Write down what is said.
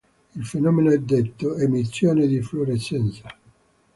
Il fenomeno è detto "emissione di fluorescenza".